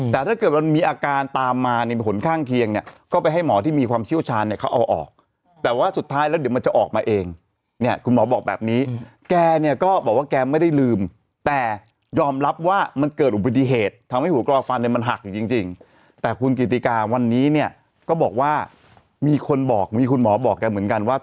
แต่ถ้าเกิดมันมีอาการตามมาในผลข้างเคียงเนี่ยก็ไปให้หมอที่มีความเชี่ยวชาญเนี่ยเขาเอาออกแต่ว่าสุดท้ายแล้วเดี๋ยวมันจะออกมาเองเนี่ยคุณหมอบอกแบบนี้แกเนี่ยก็บอกว่าแกไม่ได้ลืมแต่ยอมรับว่ามันเกิดอุบัติเหตุทำให้หัวกรอฟันเนี่ยมันหักอยู่จริงแต่คุณกิติกาวันนี้เนี่ยก็บอกว่ามีคนบอกมีคุณหมอบอกแกเหมือนกันว่า